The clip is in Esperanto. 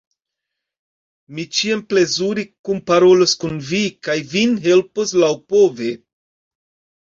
Mi ĉiam plezure kunparolos kun vi kaj vin helpos laŭpove.